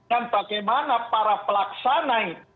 dan bagaimana para pelaksana